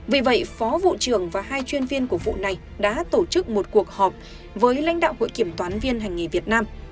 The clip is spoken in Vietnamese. vì vậy phó vụ trưởng và hai chuyên viên của vụ này đã tổ chức một cuộc họp với lãnh đạo hội kiểm toán viên hành nghề việt nam